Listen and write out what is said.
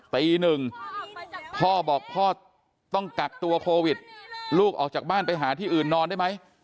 ตีหนึ่งพ่อบอกพ่อต้องกักตัวโควิดลูกออกจากบ้านไปหาที่อื่นนอนได้ไหม